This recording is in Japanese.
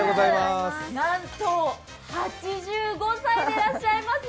なんと８５歳でらっしゃいます。